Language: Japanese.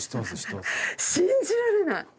信じられない！